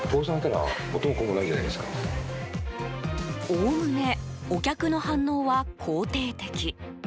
おおむねお客の反応は肯定的。